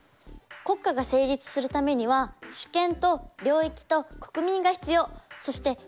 国家が成立するためには主権と領域と国民が必要。